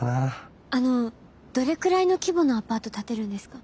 あのどれくらいの規模のアパート建てるんですか？